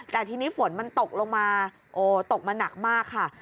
แต่ทีนี้ฝนมันตกลงมาโอ้ตกมาหนักมากค่ะ